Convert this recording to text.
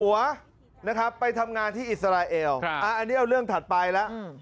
นะครับไปทำงานที่อิสราเอลอันนี้เอาเรื่องถัดไปแล้ว